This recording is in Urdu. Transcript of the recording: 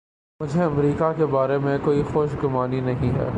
مجھے امریکہ کے بارے میں کوئی خوش گمانی نہیں ہے۔